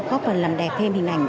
góp phần làm đẹp thêm hình ảnh